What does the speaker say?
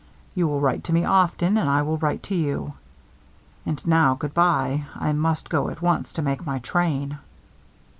You will write to me often and I will write to you. And now, good by. I must go at once to make my train."